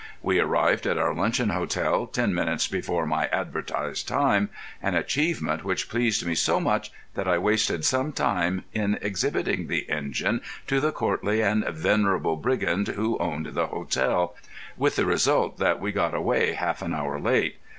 We arrived at our luncheon hotel ten minutes before my advertised time, an achievement which pleased me so much that I wasted some time in exhibiting the engine to the courtly and venerable brigand who owned the hotel, with the result that we got away half an hour late.